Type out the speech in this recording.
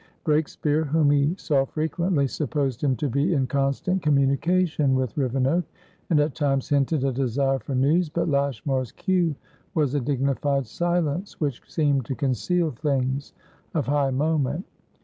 Breakspeare, whom he saw frequently, supposed him to be in constant communication with Rivenoak, and at times hinted a desire for news, but Lashmar's cue was a dignified silence, which seemed to conceal things of high moment.